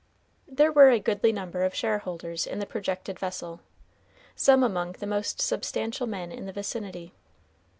There were a goodly number of shareholders in the projected vessel; some among the most substantial men in the vicinity.